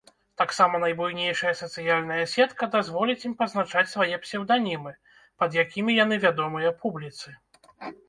Таксама найбуйнейшая сацыяльная сетка дазволіць ім пазначаць свае псеўданімы, пад якімі яны вядомыя публіцы.